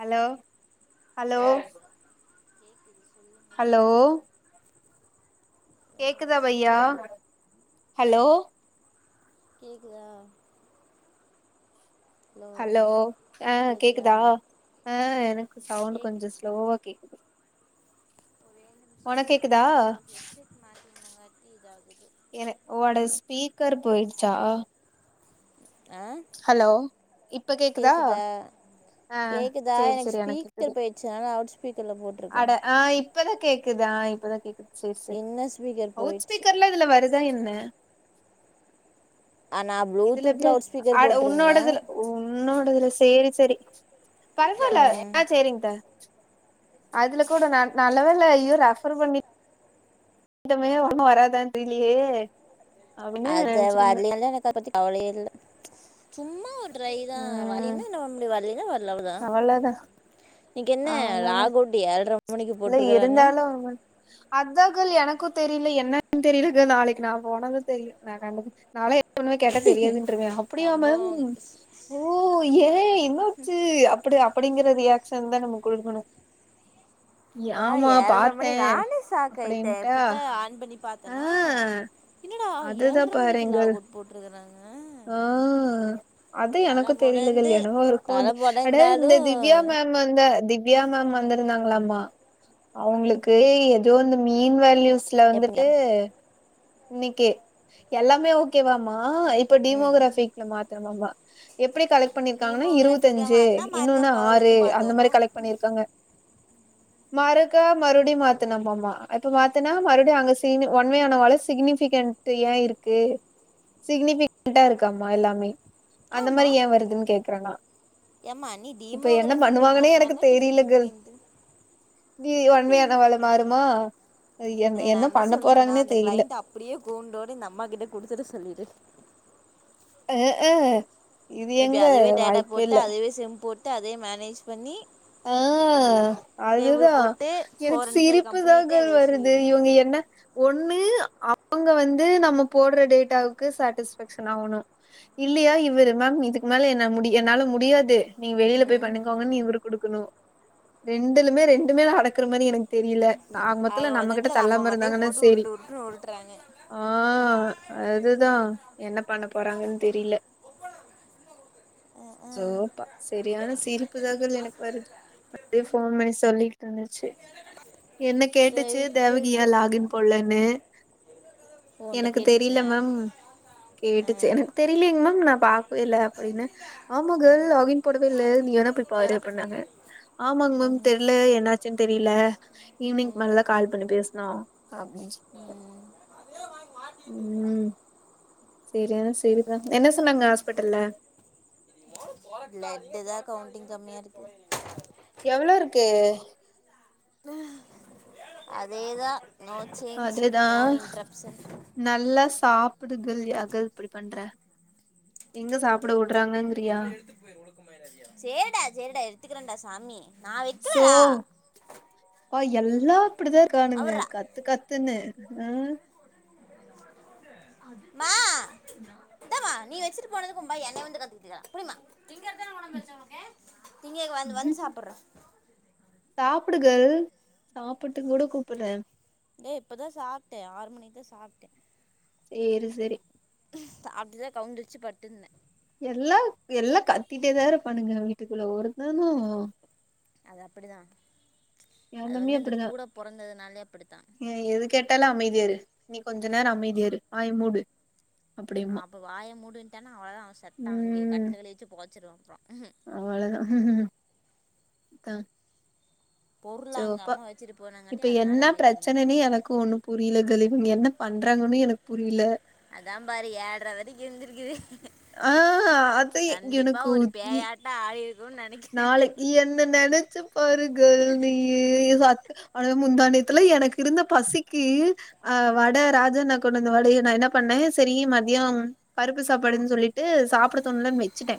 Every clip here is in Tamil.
ஹலோ ஹலோ வணக்கம் கேக்குது சொல்லுங்க ஹலோ என் கேக்குதா வாய்ஸ் பையா கேக்கு ஹலோ கேக்குதா ஹலோ ஆ கேக்குதா ஆ எனக்கு சவுண்ட் கேக்கு கொஞ்ச ஸ்லோவா கேக்குது ஒரே ஒரு நிமிஷம் ஒனக் கேக்குதா இருங்க அது ஹெட்செட் மாட்டிருந்தங்காட்டி இதாகுது எனக் ஒட ஸ்பீக்கர் போயிடுச்சா அ ஹலோ கேக்குதா ஆ கேக்குதா சேரி எனக்கு சேரி ஸ்பீக்கர் கேக்குது போயிடுச்சு அதுனால அவுட் ஸ்பீக்கர்ல போட்டு அட ஆ இப்பதா கேக்குது ஆ இப்பதா கேக்குது சரி சரி என்ன ஸ்பீக்கர் அவுட் போயிடுச்சு ஸ்பீக்கர்ல இதுல வருதா என்ன ஆனா இதுல எப்டி ப்ளூடூத்ல அவுட் ஸ்பீக்கர் அட போட்ருங்க உன்னோடதுல உன்னோடதுல சேரி சேரி பரவால்ல ம் ஆ சேரிங்க அத்த அதுல கூட ந நல்ல வேல ஐயோ ரெஃபர் பண்ணி ட்டமே ஒண்ணு வராதான் தெரியலையே அப்படின்னு அது நினைச்சிருந்தேன் வரலனாலு எனக்கு அத பத்தி கவலையே இல்ல சும்மா ஒரு ட்ரை தா வருலேன்னா என்ன பண்ண முடியு வரலேன்னா வரல அவ்ளதா அவ்வளதா அவ்வளதா லாக் அவுட் ஏழ்ரை மணிக்கு இல்ல போட்டிருக்கறாங்க இருந்தாலு அவன் அதா கேல் எனக்கு தெரியில என்னன்னு தெரியில கேல் நாளைக்கு நா போனதா தெரியு நா கண்டது நாலா எப்ப ஒன்னுமே கேட்டா தெரியாதுன்ருவே அப்புடியா மேம் சம்பவம் ஓ ஏ என்னாசி அப்புடியா அப் அப்புடிங்கிற ரியாக்ஷன் தா நம்ம குடுக்கணு தா ஏழ்ர மணி நானே சாக் ஆயிடே அப்படின்ட்டா இப்தா ஆன் பண்ணி பாத்தனா ஆஹ் என்னடா ஏழ்ர அதுதான் மணிக்கு பாருங்கள் இல்லாகுன் போட்ருக்குறாங்க ஆ அப்டின்னு அது எனக்கு தெரியலங்கள் என்னவோ இருக்கு தலை அது அட இந்த புடந்தாலும் திவ்யா மேம் ம் வந்த திவ்யா மேம் வந்துருந்தாங்களாமா அவுங்களுக்கு எதோ இந்த மீண் வேல்யூஸ்ல எப்படிங்க வந்துட்டு இன்னைக்கி எல்லாமே ஓ ஓகேவாம்மா இப்ப ம் டிமோகிராபிக்ல மாத்தனுமாவா எப்புடி கலெக்ட் பண்ணிருக்காங்கன்னா இருவத் டீமோகிராஃபிக்கில் தஞ்சு மாற்றினா மார்க்கை இன்னொன்னு ஆறு முதல்லேருந்து அந்த மாரி மாற்றணும் கலெக்ட் பண்ணி இருக்காங்க மறுக்கா மறுபடியு மாத்துனமாம்மா இப்ப மாத்துனா மறுபடியு அங்க சீனு ஒன்னுவே ஆனவால சிக்னிபிகென்ட் ஏ இருக்கு சிக்னிபிகெண்டா இருக்காம்மா எல்லாமே அந்த மாதிரி ஆமாம் ஏ வருதுன்னு கேக்குறன்னா ஏம்மா நீ இப்ப என்ன டீமோகிராஃபிக்கில் பண்ணுவாங்கன்னே எனக்கு மாற்றினால இப்போ தெரியல கேல் சிக்னிஃபிகண்ட்டு நீ ஒன்வே ஆனவால மாறுமா என் இல்ல நா என்ன பண்ண சொல்ணுனா போறாங்கன்னே அந்த தெரியில கிளைண்ட் அப்டியே கூண்டோட இந்த அம்மா கிட்ட குடுத்துட்டு சொல்லீடு அ ஹ எப்டி அதுவே டேட்டா போட்டு அதுவே சிம் போட்டு அதே மேனேஜ் பண்ணி அ அ டேபிள் அதுதா போட்டு எனக்கு ஃபோர் அண்ட் ஃபைவ் சிரிப்பு தா கம்ப்ளீட்டா கேல் எழுத வருது சொல்லிரு இவுங்க என்ன ஒண்ணு அவுங்க வந்து நம்ம போடுற டேட்டாவுக்கு சாட்டிஸ்பேக்ஷன் ஆகணு இல்லையா இவரு மேம் இதுக்கு மேல என்ன முடி என்னால முடியாது நீங்க வெளியில போய் ம் பண்ணிக்கோங்க நீ இவரு குடுக்கணு ரெண்டுலுமே ரெண்டுமே நடக்குற மாரி எனக்கு தெரியல ஆக மொத்துல நம்ம கிட்ட மொத்தத்துல தள்ளாம மண்டைய இருந்தாங்கன்னா போட்டு சேரி உருட்டு உருட்டுன்னு உருட்டுறாங்க ஆ அதுதா என்ன பண்ண போறாங்கன்னு தெரியில அ ஆ சோப்பா செரியான சிரிப் ப்புதாங்கள் எனக்கு வருது அதே ஃபோன் பண்ணி சொல்லிட்டு இருந்துச்சு என்ன கேட்டுச்சு ரைட் தேவகி ஏ ரைட்டு லாகின் போல்லன்னு ஓ உன்ட்ட எனக்கு தெரியல கேட்டுச்சா மேம் கேட்டுச்சு ஆ எனக் தெரியலங் மேம் நா பாக்கவே இல்ல அப்டின்னே ஆமா ஆ கேர்ள் லாகின் போடவே இல்ல நீ வேணா போய் பாரு னாங்க ஆமாங் மேம் ம் தெர்ல என்னாச்சுன்னு தெரியல ஈவினிங்க் ம் மேலதா கால் பண்ணி பேசுனு அப்டின் சொல்ட்ட ம் ம் சேரி அதா செரிதா என்ன சொன்னாங்க ஹாஸ்பிட்டல்ல பிளட்தா கவுண்டிங் கம்மியாருக்கு எவ்ளோருக்கு அதேதா நோ சேஞ்ச் அதுதா நோ இன்ட்ரப்ஷன் நல்லா சாப்புடு கேள் யா கேள் இப்டி பண்ற எங்க சாப்புட வுடுறாங்கங்கிறியா சேரிடா சேரிடா எடுத்துக்கிறேடா சாமி நான் சோ வைக்கலடா ஆ எல்லா இப்டிதா இருக்கானுங்க அவர்ரா கத் து கத்துன்னு ஹ் மா இந்த மா நீ வச்சிட்டு போனது கும்பையன் என்ன வந்து கத்துக்கிட்டுக்கலாம் புடிமா திங்கானச்ச திங்க வந்து வந்து சாப்பிடுறோம் சாப்புடு கேள் சாப்புட்டுங் கூட கூப்புடுறே டேய் இப்பதா சாப்ட்டே ஆறு மணிக்குதா சாப்ட்டே சேரி செரி சாப்ட்டுதா கவுந்தடிச்சு படுத்துருந்தே எல்லா எல்லா கத்திட்டேதா இருப்பானுங்க வீட்டுக்குள்ள ஒருத்தனு அது அப்படிதா எ அது வந்து இந்த கூட பொறந்ததுனாலே அப்படித்தா ஏ எது கேட் டாலு அமைதியாரு நீ கொஞ்சொ நேரம் அமைதியாரு வாய் மூடு அப்டிம்பா அப்போ வாய மூடுன்ட்டேனா அவ்ளோதா அவ செத்தா அங்கே ம் கட்டுலேல வச்சி பொதச்சுறுவ அப்றோ அவ்ளோதா த்தா பொருள் அங்கே சோப்பா அம்மா வச்சுட்டு போனாங்காட்டி இப்ப என்ன அதனால் அமைதியாக இருந்துட்டேன் பிரச்சனன்னு எனக்கு ஒன்னும் புரியல கேள் இவ்ங்க என்ன பண்றாங்கன்னு எனக்கு புரில அதாம் பாரு ஏழ்ர வரைக்கு இருந்திருக்குது ஆ அது கண்டிப்பா ஒரு பேயாட் ட்டோ ஆயிருக்குன் நெனைக் நாளைக் இ என்ன நெனைச்சு பாரு கேள் நீ சத் ஆன வே முந்தா நேத்துல எனக்கு இருந்த பசிக்கு ஆ வட ராஜாண்ண கொண் வந்த வடைய நா என்ன பண்ணே சரி மதியம் பருப்பு சாப்பாடுன் சொல்லிட்டு சாப்படத் தோணலன் வச்சுட்டே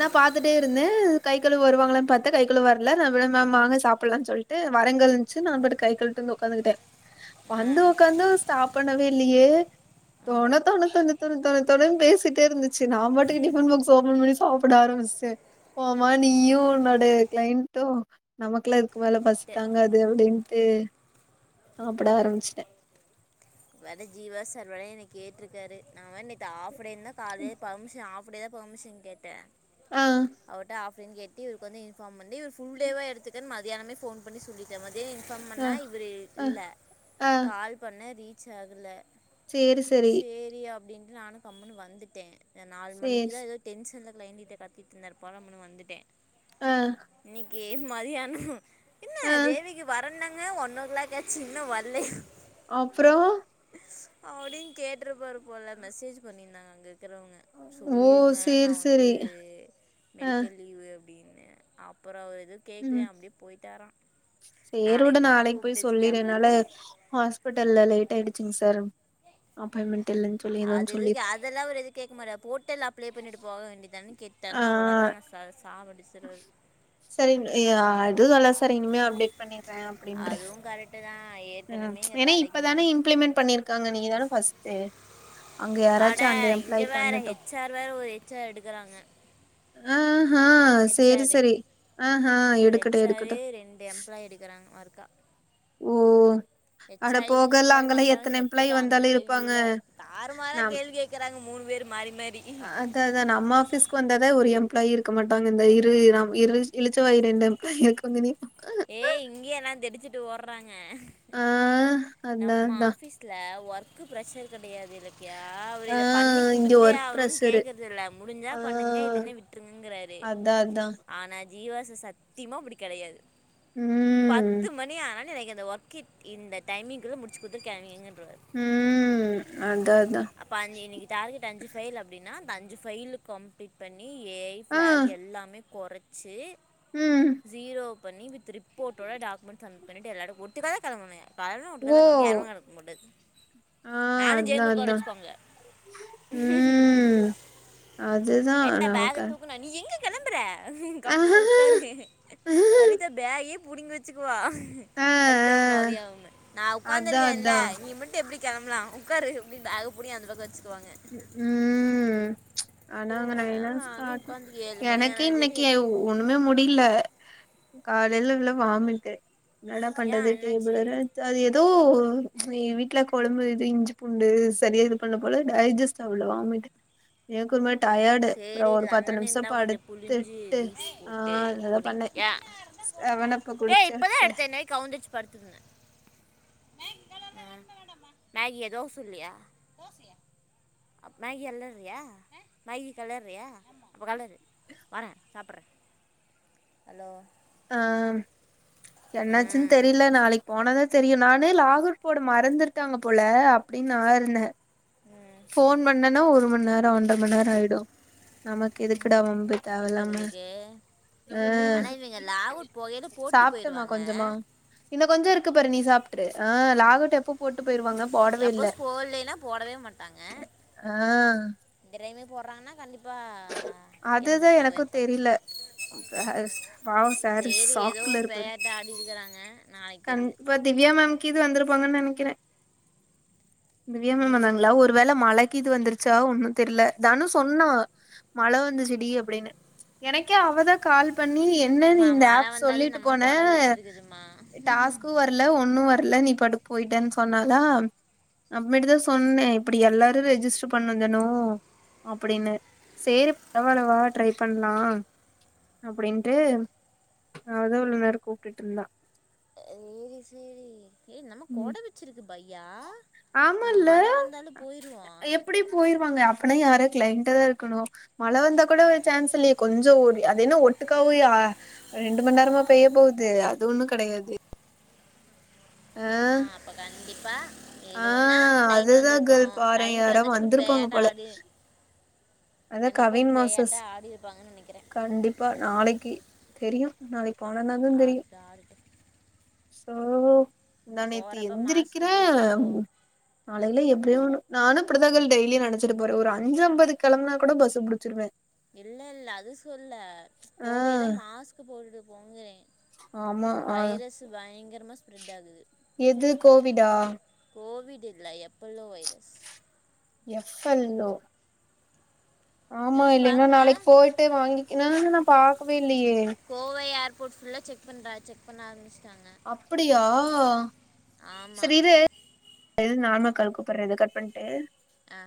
நா பாத்துட்டே இருந்தே கை கழு வருவாங்களன் பாத்த கை கழுவ் வரல நா விட மேம் வாங்க சாப்புலானு சொல்ட்டு வரங் கேள் ச்சு நா பாட்டுக் கை கழுவிட்டு வந்து உக்காந்துகிட்டே ஆ வந்து உக்காந்து ஸ்டாப் பண்ணவே இல்லியே தொண அப்புறம் தொண தொண தொண தொண தொணனு பேசிட்டே இருந்துச்சு நா பாட்டுக்கு டிஃபன் பாக்ஸ் ஓபன் பண்ணி சாப்புட ஆரம்மிச்ச போமா நீயு உன்னோடைய கிளைண்ட்டு நமக்குல்லா இதுக்கு மேல பசி தாங்காது அப்டின்ட்டு சாப்புட ஆரம்பிச்சிட்டே வேற ஜீவா சார் வேற என்னய கேட்டிருக்காரு நா வேற நேத்து ஆஃப் டேனுதா காலைல பேர்மிஷன் ஆஃப் ப் டேதா பெர்மிஷன் கேட்டே ஆ அவர்ட்ட ஆஃப் டேன் கேட்டு இவ்ருக் வந்து இன்ஃபார்ம் பண்ணி ஒரு ஃபுல் டேவா எடுத்துக்கன் மதியானமே ஃபோன் பண்ணி சொல்லிட்ட மதியோ இன்பார்ம் ஆ பண்ணா இவரு ஆ இல்ல ஆ கால் பண்ண ரீ ச்சாகல சேரி சேரி செரி அப்டின்ட்டு நானு கம்னு வந்துட்டன் நாலு சேரி மணிக்குதா எதோ டென்ஷன்ல க்ளைண்டிட்ட கத்திட்டு இருந்தார்ப்போலம்ன்னு வந்துட்டே ஆ இன்னக்கி மதியானோ என்ன ஆ தேவிக்கு வர்றனாங்க ஒன்னோ க்ளாக் காச்சு இன்னு வல்லையா அப்றோ அப்டின்னு கேட்டிருப்பாரு போல மெசேஜ் பண்ணியிருந்தாங்க அங்க இருக்கிறவங்க ஓ சொல்லிருங்க நா சேரி வந்து சேரி ஆ மெடிக்கல் லீவு அப்டின்னு அப்றோ அவர் எது ம் கேக்கலயா அப்டியே போயிட்டாரான் சேரி விடு நாளைக்கு போய் சொல்லிரு கேட்பாரு என்னால ஹாஸ்பிட்டல்ல லேட் ஆயிடுச்சுங்க சார் அப்பாய்ன்மெண்ட் அது எதுக்கு அதெல்லா அவரு எது கேக்க மாட்டாரு போர்ட்டல்ல அப்ளை பண்ணிட்டு போக வேண்டிதானன் கேட்டார்னா ஆ அவ்ளதா சாவடிச்சு சரி இனி அதுதல்லா சார் இனிமே அப்டேட் பண்ணிடறேன் அப்டின்று கரெக்ட்டுதான் ஏ ம் ஏனா இப்பதான இம்ப்ளிமெண்ட் பண்ணிருக்காங்க நீ தான ஃபர்ஸ்ட்டு அங்க அட யாராச்சு அந்த இங்க எம்ப்ளாயி வேற பண்ணட்டு ஹெச் ஆர் வேற ஒரு ஹெச் ஆர் எடுக்கறாங்க ஆஹா ஹெச் சேரி ஆரு சேரி ஆஹா ஒரு எடுக்கட்டு ஹெச்ஸஆரு எடுக்கட்டு ரெண்டு எம்ப்ளாய் எடுக்கறாங்க மறுக்கா ஓ ஹெ அட ஆரு ஹெச் போகல ஆர்க்கு அங்கெல்லா வந்தாலு எத்தன எம்ப்ளாயி செத்துட்டான் அந்த வந்தாலு இருப்பாங்க இன்டர்வியூவ்ல தாருமாறா நம் கேள்வி கேக்கறாங்க மூணு பேரூ மாரி மாரி அதா அதா நம்ம ஆஃபீஸ்க்கு வந்தாதா ஒரு எம்ப்ளாயி இருக்க மாட்டாங்க இந்த இரு இர்ரெ இழுச்சவாயி ரெண்டு எம்ப்ளாயி இருக்காங்கனே அக்கா ஏய் இங்கேயெல்லா தெறிச்சிட்டு ஓடுறாங்க ஆ அதா நம்ம அதா ஆஃபீஸ்ல ஒர்க்கு ப்ரஷர் கெடையாது யா அவரு ஆ இத பண்ணி இங்க குடுத்தே ஒர்க் ஆகணுனு ப்ரெஷரு கேக்கறது இல்ல முடிஞ்சா ஆ பண்ணுங்க இல்லனா விட்டுருங்கங்கறாரு அதா அதா ஆனா ஜீவா சார் சத்தியமா அப்டி கெடையாது பத்து ம் மணி ஆனாலு எனக்கு இந்த ஒர்க் இந்த டைமிங்குள்ள முடிச்சு குடுத்துட்டு கெளம்பிருங்கன்றுவாரு ம் அதா அதா அப்ப அஞ்சு இன்னைக்கு டார்கெட் அஞ்சு ஃபைல் அப்டினா அந்த அஞ்சு ஃபைல் கம்ப்ளீட் பண்ணி ஏ ஐ ஆ ஃபிளாக் எல்லாமே கொறச்சு ம் ஜீரோ பண்ணி வித் ரிப்போட்டோட டாக்குமெண்ட்ஸ் சப்மிட் பண்ணிட்டு எல்லோரு ஒட்டுகாதா கெளம்புணே ஓ [unintelligible] ஆ அதா அதா ம் அதுதா எத்த பேகை அளவுக்கா தூக்கணும் நீ எங்க கெளம்பற கம்னு உக்காரு அரிதா பேகயே புடுங்கி வெச்சுக்குவா ஆ அரித்தாவு காவியாவுமு நா அதா அதா உக்காந்திருக்கேன்ல்ல நீ மட்டு எப்டி கெளம்பலா உக்காரு அப்டின் பேக புடுங்கி அந்த பக்கோ வெச்சுகுவாங்க ம் ஆனா நா அங்க என்னனு நானும் காட்டு உட்காந்து ஏழு மணி எனக்கே ஆனாலும் சரி இன்னைக்கு எட்டு மணி ஒண்ணுமே முடில காலைல இவ்ளோ வாமிட்டு என்னடா பண்றது ஏன் டேபிள் என்னாச்சு வேற எத்து அது எ தோ எ வீட்ல கொழம்பு இது இஞ்சி பூண்டு சரியா இது பண்ணல போல டைஜஸ்ட் ஆவ்ளோ வாமிட் எற்கன்வே டயடு அப்றோ சரி ஒரு பத்து லெமன் நிமிஷ இருந்தால் கொஞ்சம் புளிஞ்சு படுத்துட்டு ஜூஸ் ஆ போட்டு அததா குடி பண்ணே செவனப்ப குடிச்ச டே அடுத் என்னை கவுந்தடிச்சி படுத்துங்குங்க மேகி எதோ சொல்லியா அப்ப மேகி எல்லர்றியா மேகி கலர்றியா அப்ப கலரு வரே சாப்பறே ஹலோ ஆ என்னாச்சின் ம் தெரியில நாளைக் போனாதா தெரியு நானே லாஃக் அவுட் போட மறந்துர்ட்டாங்க போல அப்டின் நா இருந்தே ம் ஃபோன் பண்ணனா ஒரு மண் நேரோ ஒன்ற மண் நேரோ ஆயிடு நமக்கு எதுக்குடா வம்பு தேவல்லாம ஆனா இவிங்க லாஃக் அவுட் போகையில போட்டு சாப்ட்டமா போய்ருவாங்க கொஞ்சமா இன்னு கொஞ்சோ இருக்கு பாரு நீ சாப்ட்ரு ஆ லாஃக் அவுட் எப்போ போட்டு போயிருவாங்க போடவே இல்ல சப்போஸ் போலேனா போடவே மாட்டாங்க ஆ இந்த டைமே போறாங்கனா கண்டிப்பா அதுதா எந்திர்தா எனக்கு போய்ருப்பாங்க தெரில பாவோ சாரு சேரி ஏதோ சாக்குல ஒரு பேயாட்ட ஆடிருக்கறாங்க கண் இப்ப திவ்யா மேம் கீது வந்திருப்பாங்கன் நெனைக்கிறே திவ்யா மேம் வந்தாங்களா ம் ஒரு வேல மழைக்கு இது வந்துரு ச்சா ஒன்னு தெரில தனு சொன்னா மழ வந்துச்சுடி அப்டினு எனக்கே அவதா கால் பண்ணி என்னன் ஏம்மா இந்த ஆப் சொல்லிட்டு போன மா டாஸ்க்கு வரல ஒன்னு வரல நீ பாட்டுக் போயிட்டன் சொன்னாலா அப்பமேட்டுதா சொன்னே இப்டி எல்லாரு ரெஜிஸ்டர் பண்ணு தனு அப்டின்னு செரி பரவால்ல வா ட்ரை பண்ணலா அப்டின்ட்டு அவ தா இவ்ளோ நேரோ கூப்டுட்ருந்தா சேரி சேரி ஏ நம்ம கோட ம் வச்சிருக்கு பையா நாங்க மழ வந்தாலு போயிருவோ அப்டி போயிருவாங்க அப்பனா யாரா கிளைண்டா தா இருக்கணு மழ வந்தா கூட ஒரு சான்ஸ் இல்லையே கொஞ்ச ஓரு அது என்ன ஒட்டுக்காவ்யா ரெண்டு மண் நேரமா பெய்ய போவுது அது ஒண்ணு கெடையாது ஆ ஆமா அப்ப கண்டிப்பா இது ஆ ஒன்னா கிளைண்ட் அதுதா வந்திருக்கு கேர்ள் பாறே கிளைண்ட் யாரோ வந்தக்கப்றோ வந்திருப்பாங்க போயாட்ட போல ஆடு அதா கண்டிப்பா ஒரு கவின் பேயாட்ட ஆடிருப் பாங்கன் நெனைக்கிற பா நாளைக்கு தெரியு நாளைக்கு போனனாந்தா தெரியு ஆடுட்டு ஆடுட்டு சோ நா நேத்து போகிறப்ப மாஸ்க் எந்திரிக்கிற போட்டு போ நாளைல எப்டியோண்ணு நானு இப்டித்தா கயல் டெய்லி நெனச்சிட்டு போற ஒரு அஞ்சஐம்பதுக் கெளம்புனா கூட பஸ் அ புடிச்சிருவே இல்ல இல்ல அது சொல்ல ஆ போகையில மாஸ்க் போட்டுட்டு போங்கறே ஆமா ஆ வைரஸ்ஸு பயங்கரமா ஸ்பிரெட் ஆகுது எது கோவிடா கோவிட் இல்ல எப்பல்லோ வைரஸ் எஃப் எல் லோ ஆமா நியூஸ் இல்லைன்னா நாளைக்கு பார்க்கல போயிட்டு வாங்கிக்கின நா பாக்கவே இல்லையே கோவை ஏர்போர்ட் ஃபுல்லா செக் பண்ற செக் பண்ண ஆரம்மிச்சுட்டாங்க அப்படியா சரி ஆமாம் இரு இரு நார்மல் கால் கூப்புற இத கட் பண்ட்டு ஆ